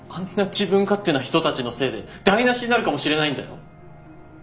自分勝手な人たちのせいで台なしになるかもしれないんだよ。